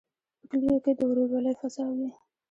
په کلیو کې د ورورولۍ فضا وي.